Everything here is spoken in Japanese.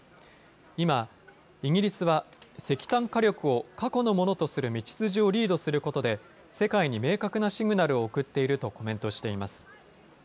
今、イギリスは石炭火力を過去のものとする道筋をリードすることで世界に明確なシグナルを送っているとコメントしています。